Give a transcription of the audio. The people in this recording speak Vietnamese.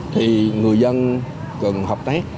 thì người dân cần hợp tác